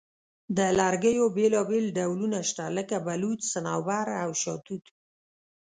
د لرګیو بیلابیل ډولونه شته، لکه بلوط، صنوبر، او شاهتوت.